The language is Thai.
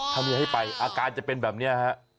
ถ้ามีให้ไปอาการจะเป็นแบบนี้ฮะ